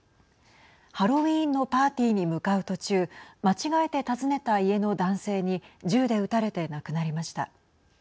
ハロウィーンのパーティーに向かう途中間違えて訪ねた家の男性に銃で撃たれて亡くなりました。